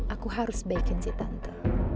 aku harus baikin si tante